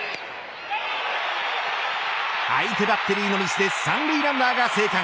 相手バッテリーのミスで３塁ランナーが生還。